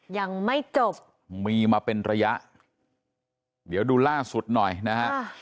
ยังไม่จบมีมาเป็นระยะเดี๋ยวดูล่าสุดหน่อยนะฮะ